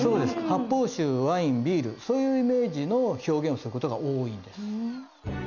発泡酒ワインビールそういうイメージの表現をすることが多いんです。